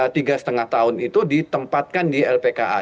tiga setengah tahun itu ditempatkan di lpka